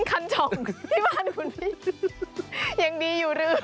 คันช่องที่บ้านคุณพี่ยังดีอยู่หรือ